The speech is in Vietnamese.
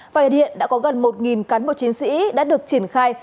và hiện đã có gần một cán bộ chiến sĩ đã được triển khai